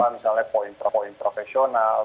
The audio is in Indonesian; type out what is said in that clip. misalnya poin profesional